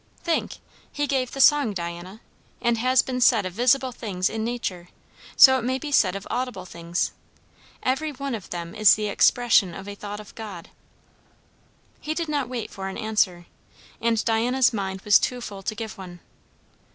"Think; he gave the song, Diana. As has been said of visible things in nature, so it may be said of audible things, every one of them is the expression of a thought of God." He did not wait for an answer, and Diana's mind was too full to give one.